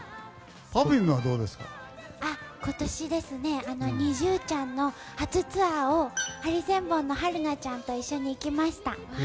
今年、ＮｉｚｉＵちゃんの初ツアーを、ハリセンボンの春菜ちゃんと一緒に行きました。